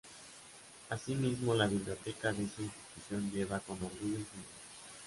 Asimismo, la biblioteca de esta institución lleva con orgullo su nombre.